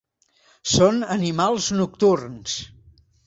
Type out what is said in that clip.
Són animals nocturns.